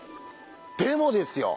でもですよ